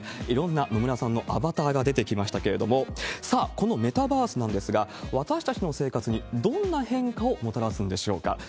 いろんな野村さんのアバターが出てきましたけれども、さあ、このメタバースなんですが、私たちの生活にどんな変化をもたらすんでしょうか。